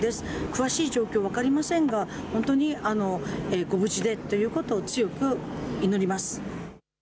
詳しい状況分かりませんが、本当にご無事でということを強く祈ります。